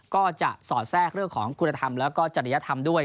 ก็จะสอดแทรกเรื่องของคุณธรรมแล้วก็จริยธรรมด้วย